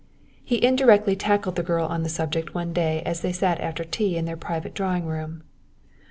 He indirectly tackled the girl on the subject one day as they sat after tea in their private drawing room.